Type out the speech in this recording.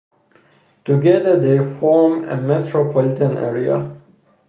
Together they form a metropolitan area.